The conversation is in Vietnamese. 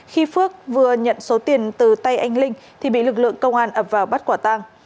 khi phước vừa nhận số tiền từ tay anh linh thì bị lực lượng công an ập vào bắt quả tang